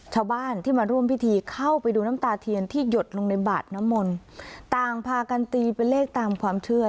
ชาวบ้านที่มาร่วมพิธีเข้าไปดูน้ำตาเทียนที่หยดลงในบาดน้ำมนต์ต่างพากันตีเป็นเลขตามความเชื่อ